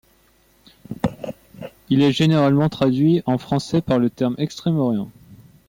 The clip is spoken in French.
Il est généralement traduit en français par le terme Extrême-Orient.